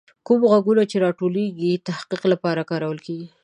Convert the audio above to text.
کوم غږونه چې راټولیږي، د تحقیق لپاره کارول کیږي.